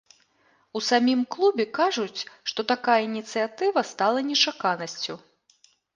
У самім клубе кажуць, што такая ініцыятыва стала нечаканасцю.